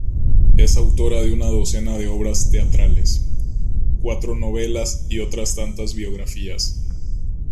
Es autora de una docena de obras teatrales, cuatro novelas y otras tantas biografías.